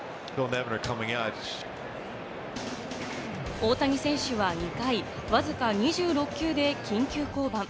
大谷選手は２回わずか２６球で緊急降板。